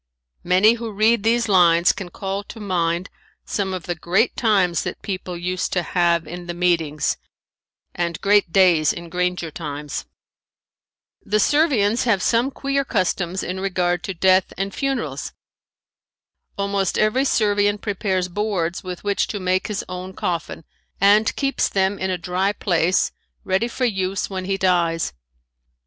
Many who read these lines can call to mind some of the great times that people used to have in the meetings and great days in granger times. The Servians have some queer customs in regard to death and funerals. Almost every Servian prepares boards with which to make his own coffin and keeps them in a dry place ready for use when he dies.